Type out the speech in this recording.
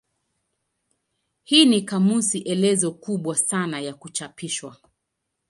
Hii ni kamusi elezo kubwa sana ya kuchapishwa.